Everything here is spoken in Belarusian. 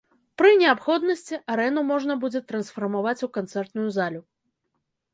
Пры неабходнасці арэну можна будзе трансфармаваць у канцэртную залю.